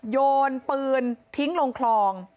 โยนปืนทิ้งลงคลอง